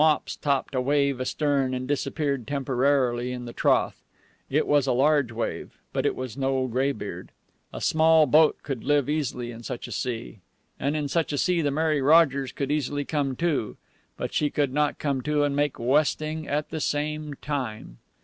Mops topped a wave astern and disappeared temporarily in the trough. It was a large wave, but it was no graybeard. A small boat could live easily in such a sea, and in such a sea the Mary Rogers could easily come to. But she could not come to and make westing at the same time.